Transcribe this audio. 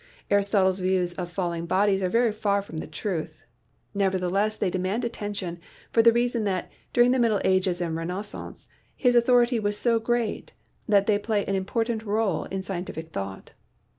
Aristotle's views of falling bodies are very far from the truth. Nevertheless they demand attention, for the reason that, during the Middle Ages and Renaissance, his authority was so great that they play an important role in scientific thought.